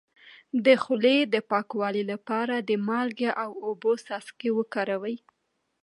د خولې د پاکوالي لپاره د مالګې او اوبو څاڅکي وکاروئ